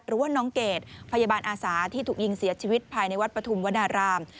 หรือว่าน้องเกดพยาบาลอาสาที่ถูกยิงเสียชีวิตภายในวัดปฐุมวนาราม